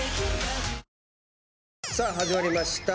さあ始まりました。